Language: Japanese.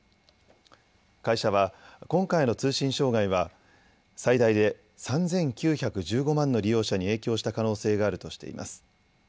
会社は今回の通信障害は最大で３９１５万の利用者に影響した可能性があるとしています。